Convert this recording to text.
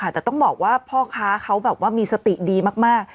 แต่ต้องบอกว่าพ่อค้าเขาแบบว่ามีสติดีมาก